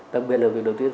tập biệt là việc đầu tiên